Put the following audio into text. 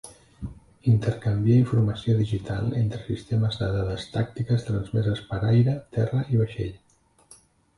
Intercanvia informació digital entre sistemes de dades tàctiques transmeses per aire, terra i vaixell.